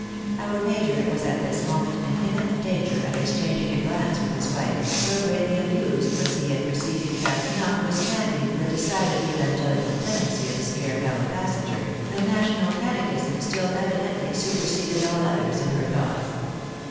Our major was at this moment in imminent danger of exchang ing a glance with his wife, so greatly amused was he at perceiving that notwithstanding the decided evangelical tendency of his fair feUow passenger, the national catechism still evidently superseded all others in her thoughts.